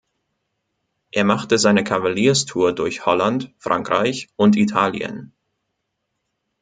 Er machte seine Kavalierstour durch Holland, Frankreich und Italien.